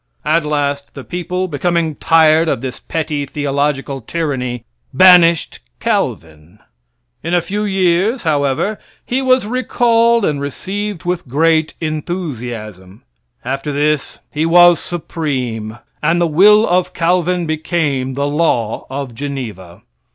At last, the people becoming tired of this petty, theological tyranny, banished Calvin. In a few years, however, he was recalled and received with great enthusiasm. After this, he was supreme, and the will of Calvin became the law of Geneva.